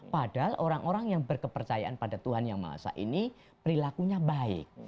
padahal orang orang yang berkepercayaan pada tuhan yang maha esa ini perilakunya baik